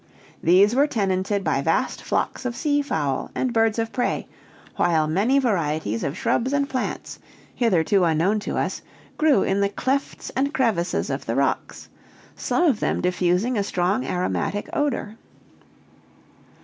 These were tenanted by vast flocks of sea fowl and birds of prey; while many varieties of shrubs and plants, hitherto unknown to us, grew in the clefts and crevices of the rocks, some of them diffusing a strong aromatic odor.